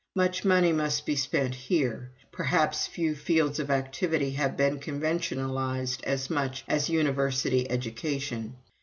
Much money must be spent here. Perhaps few fields of activity have been conventionalized as much as university education.